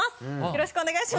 よろしくお願いします。